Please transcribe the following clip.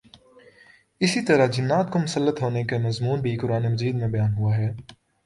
اسی طرح جنات کے مسلط ہونے کا مضمون بھی قرآنِ مجید میں بیان ہوا ہے